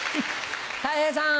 たい平さん。